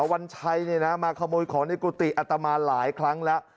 วันชัยมาขโมยของในกุฏิอัตมาหลายครั้งแล้ว